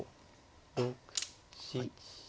６７。